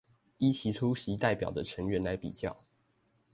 依其出席代表的成員來比較